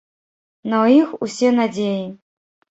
На іх усе надзеі.